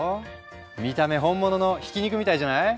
見た目本物のひき肉みたいじゃない？